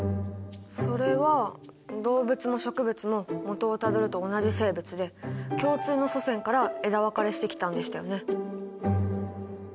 それは動物も植物ももとをたどると同じ生物で共通の祖先から枝分かれしてきたんでしたよね？